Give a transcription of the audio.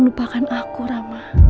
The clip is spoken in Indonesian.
lupakan aku rama